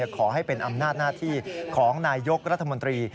ขอให้เป็นอำนาจหน้าที่ของนายยกรัฐมนตรี